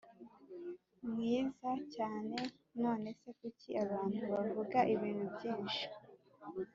mwiza cyane None se kuki abantu bavuga ibintu byinshi